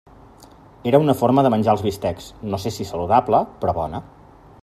Era una forma de menjar els bistecs, no sé si saludable, però bona.